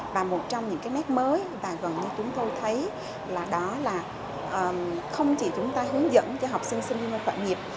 và một trong những cái nét mới và gần như chúng tôi thấy là đó là không chỉ chúng ta hướng dẫn cho học sinh sinh viên khởi nghiệp